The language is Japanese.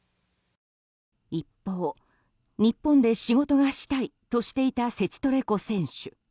一方、日本で仕事がしたいとしていたセチトレコ選手。